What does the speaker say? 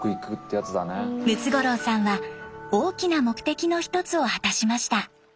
ムツゴロウさんは大きな目的の一つを果たしました。